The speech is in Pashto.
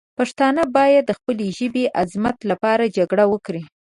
پښتانه باید د خپلې ژبې د عظمت لپاره جګړه وکړي.